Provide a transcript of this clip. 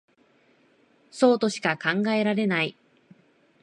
そうとしか考えられない